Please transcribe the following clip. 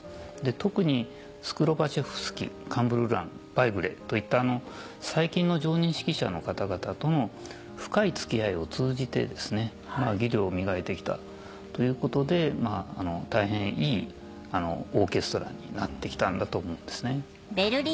特にスクロヴァチェフスキカンブルランヴァイグレといった最近の常任指揮者の方々とも深い付き合いを通じて技量を磨いてきたということで大変いいオーケストラになってきたんだと思うんですね。